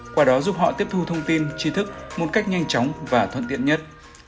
qua đó giúp họ tiếp thu thông tin chi thức một cách nhanh chóng và thuận tiện nhất